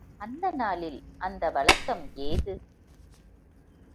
அந்த நாளில் அந்த வழக்கம் ஏது?